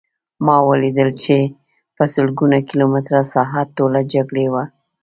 ما ولیدل چې په سلګونه کیلومتره ساحه ټوله جګړې وه